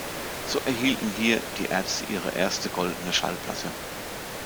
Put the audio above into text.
So erhielten hier Die Ärzte ihre erste Goldene Schallplatte.